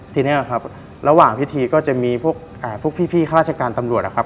ทีนี้ครับระหว่างพิธีก็จะมีพวกพี่ข้าราชการตำรวจนะครับ